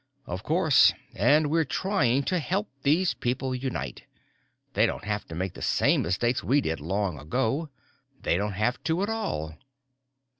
"Of course. And we're trying to help these people unite. They don't have to make the same mistakes we did, long ago. They don't have to at all.